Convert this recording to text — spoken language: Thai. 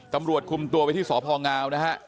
ตำรวจคุมตัวไปที่สพงนะฮะ